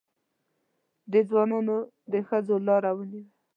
دې ځوانانو د ښځو لاره ونیوه.